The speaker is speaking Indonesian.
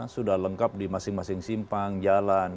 sudah lengkap di masing masing simpang jalan